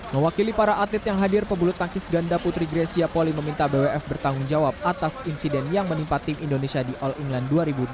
mewakili para atlet yang hadir pebulu tangkis ganda putri grecia poli meminta bwf bertanggung jawab atas insiden yang menimpa tim indonesia di all england dua ribu dua puluh